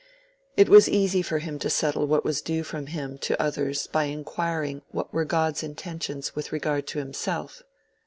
It was easy for him to settle what was due from him to others by inquiring what were God's intentions with regard to himself.